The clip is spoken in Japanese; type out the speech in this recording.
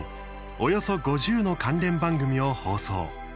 およそ５０の関連番組を放送。